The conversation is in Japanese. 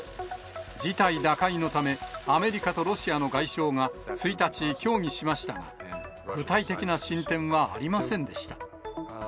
事態打開のため、アメリカとロシアの外相が１日、協議しましたが、具体的な進展はありませんでした。